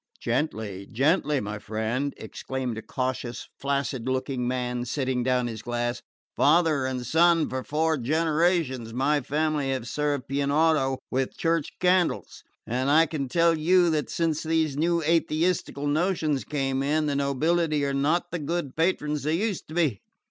"Gently, gently, my friend," exclaimed a cautious flaccid looking man setting down his glass. "Father and son, for four generations, my family have served Pianura with Church candles, and I can tell you that since these new atheistical notions came in, the nobility are not the good patrons they used to be.